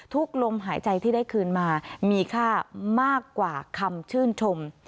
ลมหายใจที่ได้คืนมามีค่ามากกว่าคำชื่นชม